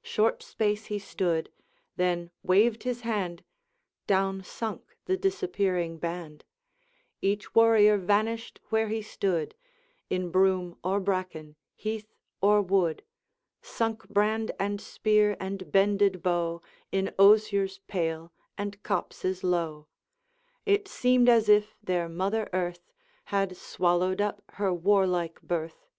Short space he stood then waved his hand: Down sunk the disappearing band; Each warrior vanished where he stood, In broom or bracken, heath or wood; Sunk brand and spear and bended bow, In osiers pale and copses low; It seemed as if their mother Earth Had swallowed up her warlike birth.